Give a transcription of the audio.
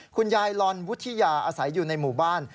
คุณยายลอนวุฒิยาอาศัยอยู่ในหมู่บ้าน